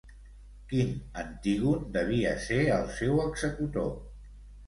Quin Antígon devia ser el seu executor?